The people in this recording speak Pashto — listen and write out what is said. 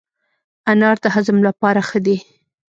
انار د هضم لپاره ښه دی.